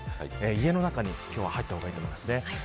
家の中に入った方がいいと思います。